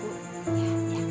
bu mas baran datang